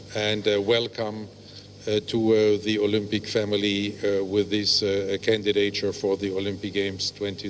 dan selamat datang ke keluarga olimpik dengan kandidatnya untuk olimpiade dua ribu tiga puluh dua